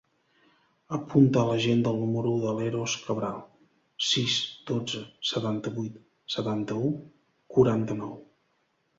Apunta a l'agenda el número de l'Eros Cabral: sis, dotze, setanta-vuit, setanta-u, quaranta-nou.